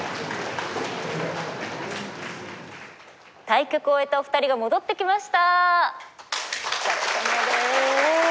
対局を終えたお二人が戻ってきました！